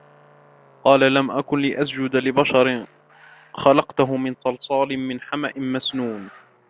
قَالَ لَمْ أَكُنْ لِأَسْجُدَ لِبَشَرٍ خَلَقْتَهُ مِنْ صَلْصَالٍ مِنْ حَمَإٍ مَسْنُونٍ